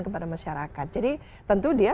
kepada masyarakat jadi tentu dia